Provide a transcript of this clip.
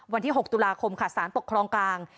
วันที่๖ตุลาคมค่ะสารปกครองกลาง